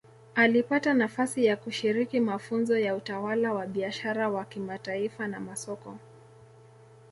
Alipata nafasi ya kushiriki mafunzo ya utawala wa biashara wa kimataifa na masoko